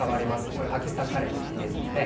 これ、パキスタンカレーのイメージですね。